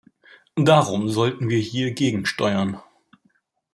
Darum sollten wir hier gegensteuern.